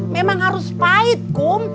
memang harus pahit kum